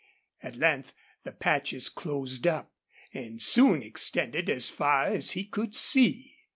At length the patches closed up, and soon extended as far as he could see.